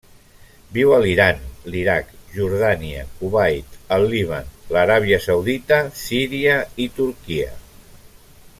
Viu a l'Iran, l'Iraq, Jordània, Kuwait, el Líban, l'Aràbia Saudita, Síria i Turquia.